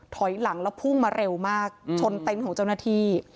ถอยหลังแล้วพุ่งมาเร็วมากชนเต็นต์ของเจ้าหน้าที่